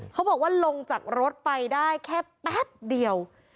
เขาบอกว่าลงจากรถไปได้แค่แป๊บเดียว